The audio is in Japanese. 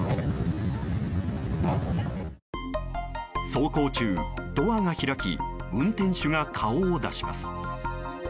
走行中、ドアが開き運転手が顔を出します。